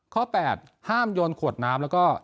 ข้อ๘ห้ามโยนขวดน้ำแล้วก็